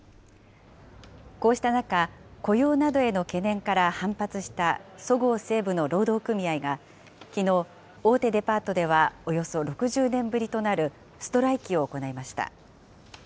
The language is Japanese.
こうした中、雇用などへの懸念から反発したそごう・西武の労働組合が、きのう、大手デパートではおよそ６０年ぶりとなるストライキを行いました。